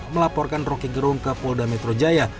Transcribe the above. melaporkan roky gerung ke polda metro jaya